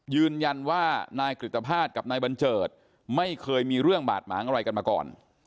ยืนยันว่านายกฤตภาษณ์กับนายบัญเจิดไม่เคยมีเรื่องบาดหมางอะไรกันมาก่อน